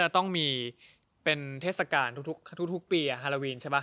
ต้องมีเป็นเทศกาลทุกปีฮาราวีนใช่ไหม